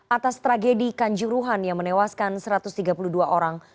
atas tragedi kanjuruhan yang menewaskan satu ratus tiga puluh dua orang